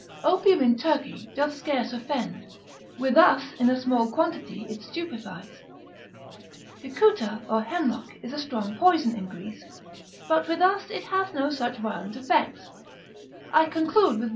Opium in Turkey doth scarce offend, with us in a small quantity it stupefies; cicuta or hemlock is a strong poison in Greece, but with us it hath no such violent effects: I conclude with I.